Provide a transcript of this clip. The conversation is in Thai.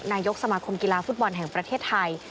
นายกสมาคมกีฬาฟุตบอลแห่งประเทศไทย